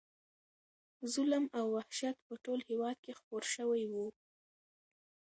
ظلم او وحشت په ټول هېواد کې خپور شوی و.